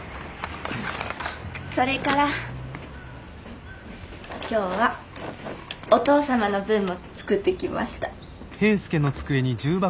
それから今日はお義父様の分も作ってきました。